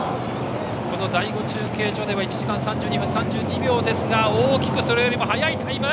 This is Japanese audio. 第５中継所では１時間３２分３２秒ですが大きくそれよりも早いタイム！